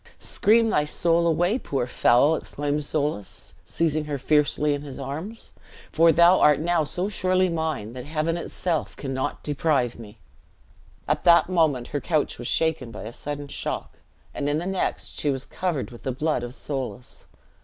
"Scream thy soul away, poor foul!" exclaimed Soulis, seizing her fiercely in his arms; "for thou art now so surely mine, that Heaven itself cannot deprive me!" At that moment her couch was shaken by a sudden shock, and in the next she was covered with the blood of Soulis.